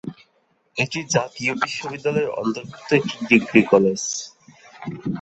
এটি জাতীয় বিশ্ববিদ্যালয়ের অন্তর্ভুক্ত একটি ডিগ্রী কলেজ।